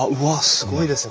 すごいですね！